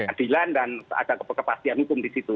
adilan dan ada kepastian hukum di situ